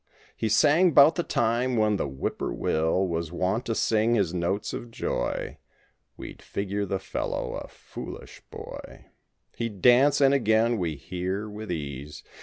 He sang 'bout the time when the whippoorwill Was wont to sing his notes of joy— We'd figure the fellow a foolish boy. He'd dance, and again, we hear, with ease.